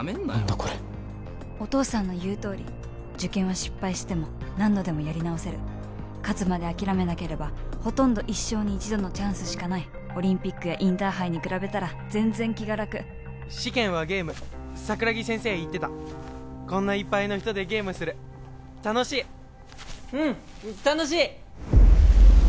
これお父さんの言うとおり受験は失敗しても何度でもやり直せる勝つまで諦めなければほとんど一生に一度のチャンスしかないオリンピックやインターハイに比べたら全然気が楽試験はゲーム桜木先生言ってたこんないっぱいの人でゲームする楽しいうん楽しい！